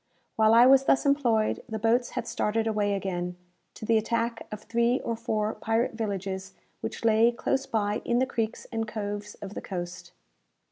While I was thus employed, the boats had started away again, to the attack of three or four pirate villages which lay close by in the creeks and coves of the coast.